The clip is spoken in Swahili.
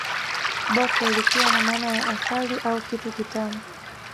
Bhoke likiwa na maana ya asali au kitu kitamu